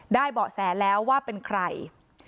เบาะแสแล้วว่าเป็นใคร